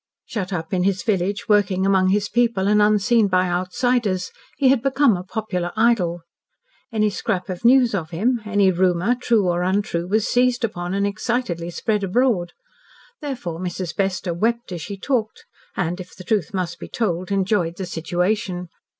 Shut up in his village working among his people and unseen by outsiders, he had become a popular idol. Any scrap of news of him any rumour, true or untrue, was seized upon and excitedly spread abroad. Therefore Mrs. Bester wept as she talked, and, if the truth must be told, enjoyed the situation.